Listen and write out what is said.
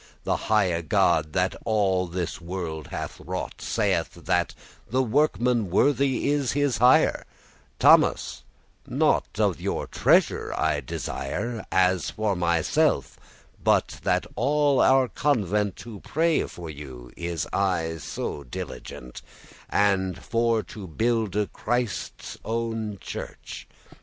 The highe God, that all this world hath wrought, Saith, that the workman worthy is his hire Thomas, nought of your treasure I desire As for myself, but that all our convent To pray for you is aye so diligent: And for to builde Christe's owen church.